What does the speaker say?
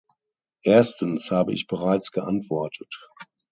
Erstens habe ich bereits geantwortet.